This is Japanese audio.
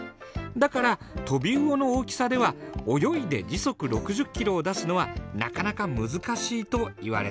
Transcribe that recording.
だからトビウオの大きさでは泳いで時速６０ｋｍを出すのはなかなか難しいといわれています。